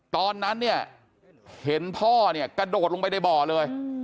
ตอนนั้นเนี่ยเห็นพ่อเนี่ยกระโดดลงไปในบ่อเลย